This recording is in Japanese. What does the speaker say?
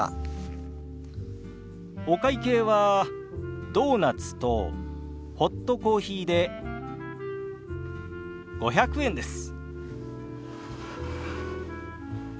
お会計はドーナツとホットコーヒーで５００円です。